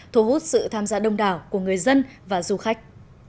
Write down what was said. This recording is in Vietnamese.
thu hút sự tham gia đông đảo của người dân và du khách